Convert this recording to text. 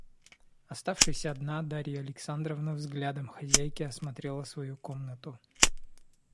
Оставшись одна, Дарья Александровна взглядом хозяйки осмотрела свою комнату.